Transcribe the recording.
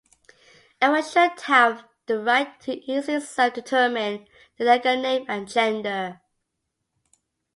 Everyone should have the right to easily self-determine their legal name and gender.